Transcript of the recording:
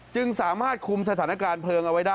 ซึ่งก็สามารถคุมสถานการณ์เพลิง